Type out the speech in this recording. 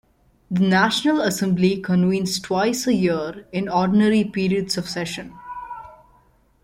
The National Assembly convenes twice a year in ordinary periods of sessions.